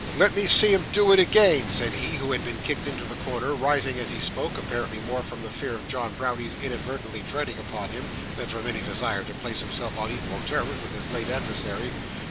'Let me see him do it again,' said he who had been kicked into the corner, rising as he spoke, apparently more from the fear of John Browdie's inadvertently treading upon him, than from any desire to place himself on equal terms with his late adversary.